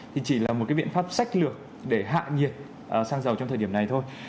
thì chỉ là một cái biện pháp sách lược để hạ nhiệt xăng dầu trong thời điểm này thôi